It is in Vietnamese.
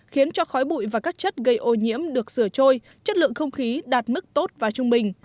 khiến cho khói bụi và các chất gây ô nhiễm được sửa trôi chất lượng không khí đạt mức tốt và trung bình